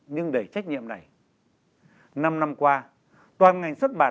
nhưng đầy trách nhiệm này năm năm qua toàn ngành xuất bản